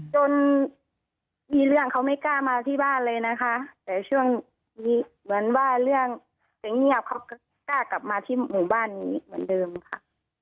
จนมีเรื่องเขาไม่กล้ามาที่บ้านเลยนะคะแต่ช่วงนี้เหมือนว่าเรื่องจะเงียบเขาก็กล้ากลับมาที่หมู่บ้านนี้เหมือนเดิมค่ะ